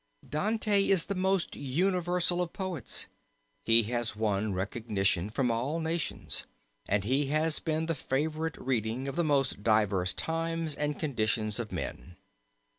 Dante is the most universal of poets. He has won recognition from all nations, and he has been the favorite reading of the most diverse times and conditions of men.